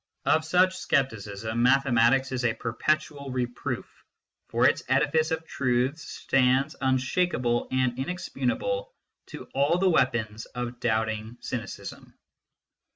Of such scepticism mathematics is a perpetual reproof ; ful its edifice of truths stands unshakable and inexpugnable to all the weapons of doubting cynicism.